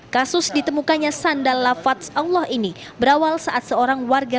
kasus ditemukannya sandal lafats allah ini berawal saat seorang warga